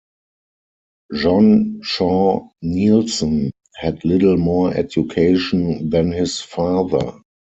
John Shaw Neilson had little more education than his father.